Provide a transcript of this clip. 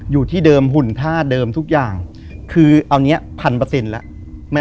อยู่ที่เดิม